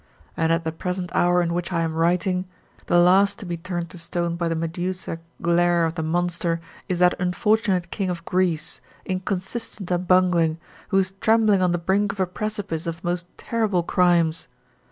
And at the present hour in which I am writing the last to be turned to stone by the Medusa glare of the monster is that unfortunate King of Greece, inconsistent and bungling, who is trembling on the brink of a precipice of most terrible crimes.